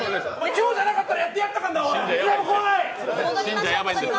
今日じゃなかったらやってやったからな！